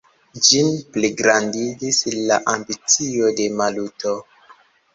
Ĝin pligrandigis la ambicio de Maluto.